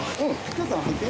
ちょっと入って。